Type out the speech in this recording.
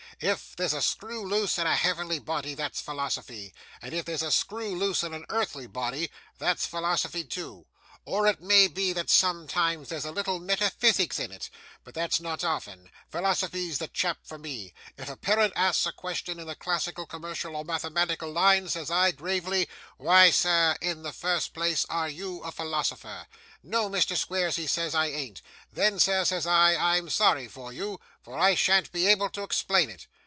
If there's a screw loose in a heavenly body, that's philosophy; and if there's screw loose in a earthly body, that's philosophy too; or it may be that sometimes there's a little metaphysics in it, but that's not often. Philosophy's the chap for me. If a parent asks a question in the classical, commercial, or mathematical line, says I, gravely, "Why, sir, in the first place, are you a philosopher?" "No, Mr. Squeers," he says, "I an't." "Then, sir," says I, "I am sorry for you, for I shan't be able to explain it."